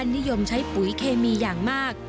นิยมใช้ปุ๋ยเคมีอย่างมาก